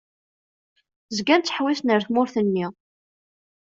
Zgan ttḥewwisen ar tmurt-nni.